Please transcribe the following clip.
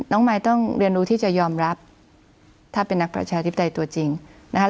มายต้องเรียนรู้ที่จะยอมรับถ้าเป็นนักประชาธิปไตยตัวจริงนะคะ